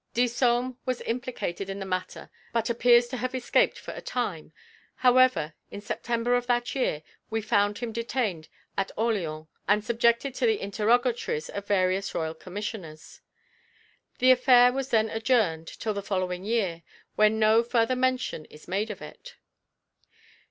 Disome was implicated in the matter but appears to have escaped for a time; however in September of that year we find him detained at Orleans and subjected to the interrogatories of various royal Commissioners. The affair was then adjourned till the following year, when no further mention is made of it.